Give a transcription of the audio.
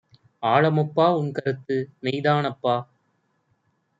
ஆழமப்பா உன்கருத்து, மெய்தானப்பா